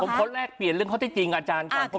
ผมขอแลกเปลี่ยนเรื่องข้อที่จริงอาจารย์ก่อน